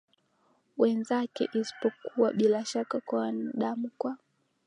wenzake isipokuwa bila shaka kwa wanadamu Kwa